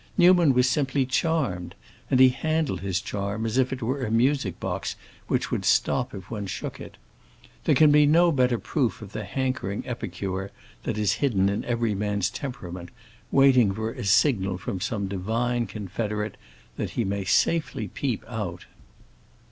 Newman was simply charmed, and he handled his charm as if it were a music box which would stop if one shook it. There can be no better proof of the hankering epicure that is hidden in every man's temperament, waiting for a signal from some divine confederate that he may safely peep out.